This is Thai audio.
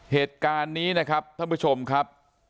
เหตุการณ์นี้นะครับท่านผู้ชมครับ